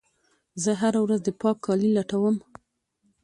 زه هره ورځ د پاک کالي لټوم.